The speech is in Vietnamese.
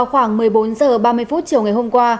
khoảng một mươi bốn h ba mươi phút chiều ngày hôm qua